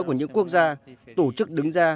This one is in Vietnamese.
của những quốc gia tổ chức đứng ra